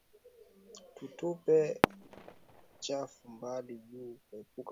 Tu tupe buchafu mbali juya kuepuka magonjwa